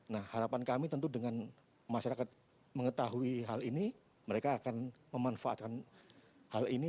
nah harapan kami tentu dengan masyarakat mengetahui hal ini mereka akan memanfaatkan hal ini